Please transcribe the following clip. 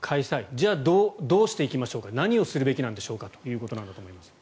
じゃあ、どうしていきましょうか何をするべきなんでしょうということだと思います。